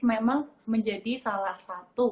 memang menjadi salah satu